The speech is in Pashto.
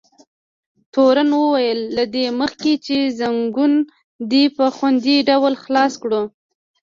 تورن وویل: له دې مخکې چې ځنګون دې په خوندي ډول خلاص کړو.